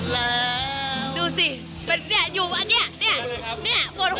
แล้วดูสิเป็นเนี่ยอยู่เนี่ยเนี่ยเนี่ยหมดหัว